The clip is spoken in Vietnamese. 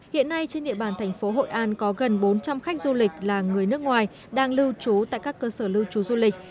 hiện nay trên địa bàn thành phố hội an có gần bốn trăm linh khách du lịch là người nước ngoài đang lưu trú tại các cơ sở lưu trú du lịch